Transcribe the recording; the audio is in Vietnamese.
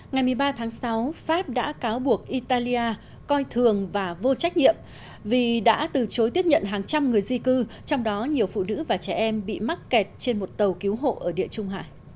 ngày một mươi ba tháng sáu pháp đã cáo buộc italia coi thường và vô trách nhiệm vì đã từ chối tiếp nhận hàng trăm người di cư trong đó nhiều phụ nữ và trẻ em bị mắc kẹt trên một tàu cứu hộ ở địa trung hải